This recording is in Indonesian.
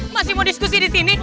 masih mau diskusi di sini